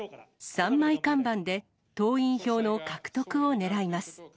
３枚看板で、党員票の獲得をねらいます。